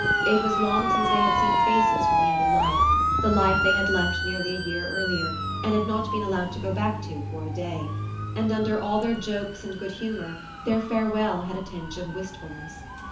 It was long since they had seen faces from the other life, the life they had left nearly a year earlier and had not been allowed to go back to for a day; and under all their jokes and good humour their farewell had a tinge of wistfulness.